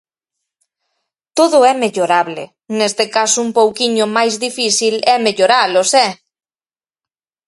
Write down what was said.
Todo é mellorable, neste caso un pouquiño máis difícil é melloralos, ¡eh!